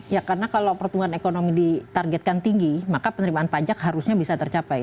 ya karena kalau pertumbuhan ekonomi ditargetkan tinggi maka penerimaan pajak harusnya bisa tercapai